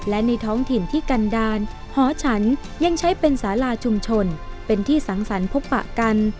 และในท้องถิ่นที่กันดาลหอฉันยังใช้เป็นสาราชุมชนเป็นที่สังสรรค์พบปะกัน